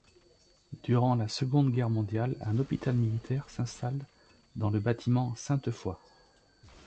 Durant la Seconde Guerre mondiale, un hôpital militaire s'installe dans le bâtiment Sainte-Foy.